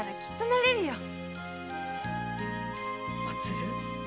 おつる。